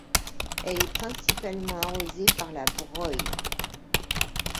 Elle est principalement arrosée par la Broye.